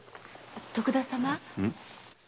徳田様。